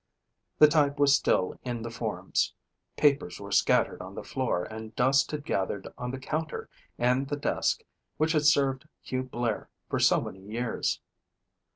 The type was still in the forms, papers were scattered on the floor and dust had gathered on the counter and the desk which had served Hugh Blair for so many years.